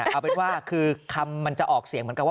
เอาเป็นว่าคือคำมันจะออกเสียงเหมือนกับว่า